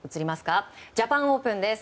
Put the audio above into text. ジャパンオープンです。